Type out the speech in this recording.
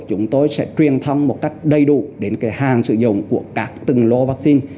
chúng tôi sẽ truyền thông một cách đầy đủ đến hàng sử dụng của các từng lô vaccine